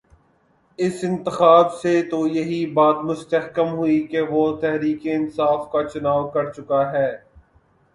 اس انتخاب سے تو یہی بات مستحکم ہوئی کہ وہ تحریک انصاف کا چناؤ کر چکا ہے۔